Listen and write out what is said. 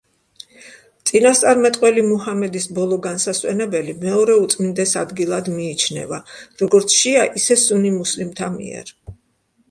წინასწარმეტყველი მუჰამედის ბოლო განსასვენებელი მეორე უწმინდეს ადგილად მიიჩნევა, როგორც შია, ისე სუნი მუსლიმთა მიერ.